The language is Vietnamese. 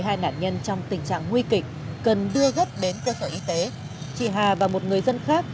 hai nạn nhân trong tình trạng nguy kịch cần đưa gấp đến cơ sở y tế chị hà và một người dân khác